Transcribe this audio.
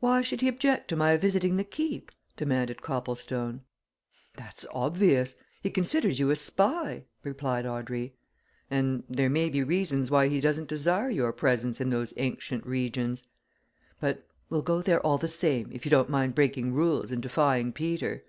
"Why should he object to my visiting the Keep?" demanded Copplestone. "That's obvious! He considers you a spy," replied Audrey. "And there may be reasons why he doesn't desire your presence in those ancient regions. But we'll go there, all the same, if you don't mind breaking rules and defying Peter."